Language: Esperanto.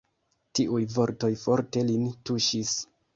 Tiuj vortoj forte lin tuŝis.